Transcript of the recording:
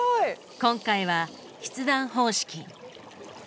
今回は筆談方式。